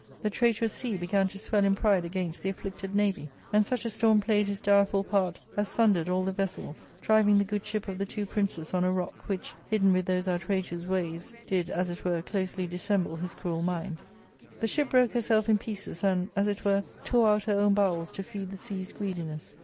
The traitorous sea began to swell in pride against the afflicted navy, and such a storm played his direful part as sundered all the vessels, driving the good ship of the two princes on a rock, which, hidden with those outrageous waves, did, as it were, closely dissemble his [its] cruel mind. The ship broke herself in pieces and, as it were, tore out her own bowels to feed the sea's greediness.